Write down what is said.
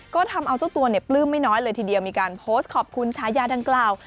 ก็ทำเอาเจ้าตัวเนี่ยปลื้มไม่น้อยเลยทีเดียวมีการโพสต์ขอบคุณชายาดังกล่าว